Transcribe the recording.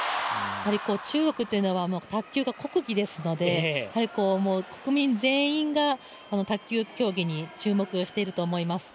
中国というのは卓球が国技ですので国民全員が卓球競技に注目していると思います。